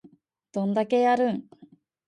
どんだけやるん